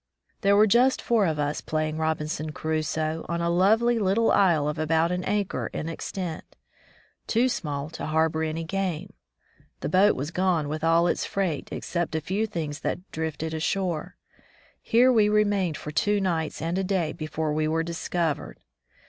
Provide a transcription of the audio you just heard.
There were just four of us playing Robinson Crusoe on a lovely little isle of about an acre in extent — too small to harbor any game. The boat was gone with all its freight, except a few things that drifted ashore. Here we re mained for two nights and a day before we were discovered.